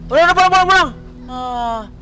udah udah pulang pulang pulang